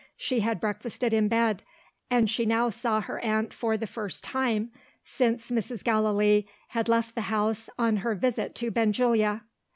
She had breakfasted in bed and she now saw her aunt for the first time, since Mrs. Gallilee had left the house on her visit to Benjulia.